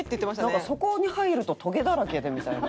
なんかそこに入ると「トゲだらけで」みたいな。